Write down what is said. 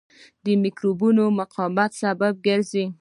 د مکروبونو د مقاومت سبب ګرځي.